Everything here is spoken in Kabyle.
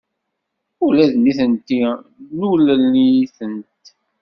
Ula d nitenti nulel-itent.